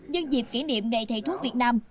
nhân dịp kỷ niệm ngày thầy thuốc việt nam